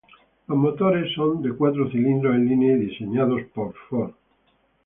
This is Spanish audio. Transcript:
Sus motores son de cuatro cilindros en línea y diseñados por Ford.